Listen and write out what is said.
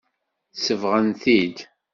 Sebɣen-t-id.